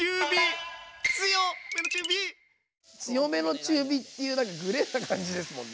強めの中火っていう何かグレーな感じですもんね。